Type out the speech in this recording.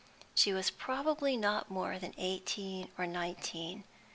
She was probably not more than eighteen or nineteen.